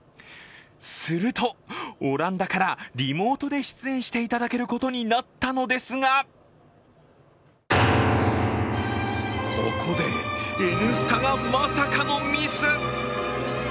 すると、オランダからリモートで出演していただけることになったのですがここで「Ｎスタ」がまさかのミス！